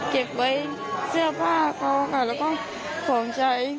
เก็บไว้เสื้อผ้าเขาค่ะแล้วก็ของใช้